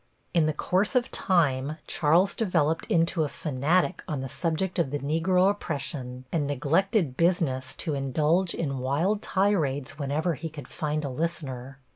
In the course of time Charles developed into a fanatic on the subject of the Negro oppression and neglected business to indulge in wild tirades whenever he could find a listener.